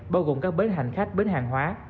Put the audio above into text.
bao gồm các bến hành khách bến hàng hóa